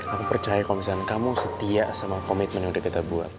aku percaya kalau misalnya kamu setia sama komitmen yang sudah kita buat